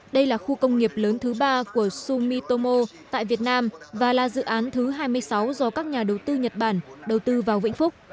đây là khu công nghiệp lớn thứ ba của sumitomo tại việt nam và là dự án thứ hai mươi sáu do các nhà đầu tư nhật bản đầu tư vào vĩnh phúc